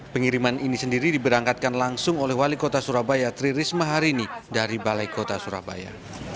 pengiriman ini sendiri diberangkatkan langsung oleh wali kota surabaya tri risma harini dari balai kota surabaya